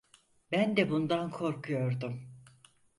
Ben de bundan korkuyordum.